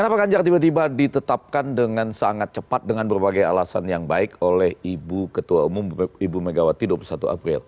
kenapa ganjar tiba tiba ditetapkan dengan sangat cepat dengan berbagai alasan yang baik oleh ibu ketua umum ibu megawati dua puluh satu april